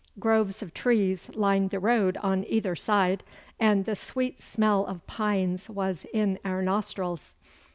Groves of trees lined the road on either side, and the sweet smell of pines was in our nostrils.